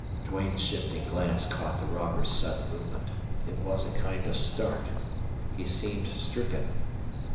Duane's shifting glance caught the robber's sudden movement. It was a kind of start. He seemed stricken.